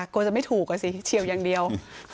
กลัวจะไม่ถูกอ่ะสิเฉียวอย่างเดียว